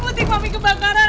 putih mami kebakaran